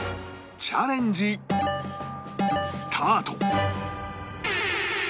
チャレンジスタート